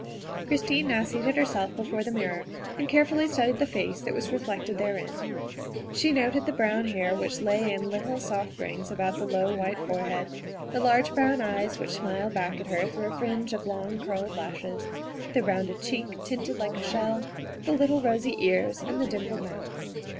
Christine now seated herself before the mirror and carefully studied the face that was reflected therein. She noted the brown hair which lay in little, soft rings about the low, white forehead; the large brown eyes which smiled back at her through a fringe of long, curled lashes ; the rounded cheek, tinted like a shell ; the little, rosy ears and the dimpled mouth.